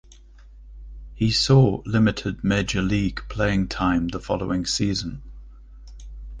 He saw limited major league playing time the following season.